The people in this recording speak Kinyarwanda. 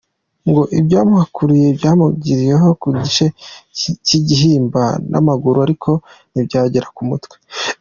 Ngo ibyamuhanukiye byamugwiriye ku gice cy’igihimba n’amaguru ariko ntibyagera ku mutwe.